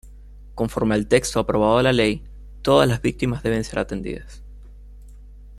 Conforme al texto aprobado de la Ley, Todas las víctimas deben de ser atendidas.